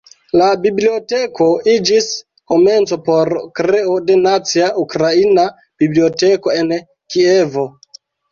La biblioteko iĝis komenco por kreo de Nacia Ukraina Biblioteko en Kievo.